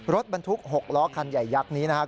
รถบรรทุก๖ล้อคันใหญ่ยักษ์นี้นะครับ